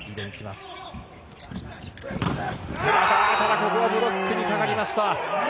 ここはブロックにかかりました。